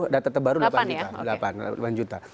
data terbaru delapan juta